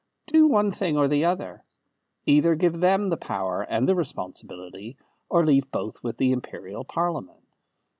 Do one thing or the other. Either give them the power and the responsibility, or leave both with the Imperial Parliament.